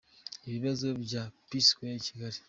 Ibibazo bya P Sqaure i Kigali.